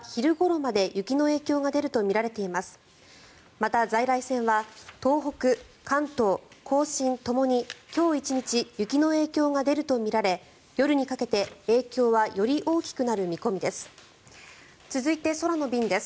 また、在来線は東北、関東・甲信ともに今日１日雪の影響が出るとみられ夜にかけて影響はより大きくなる見込みです。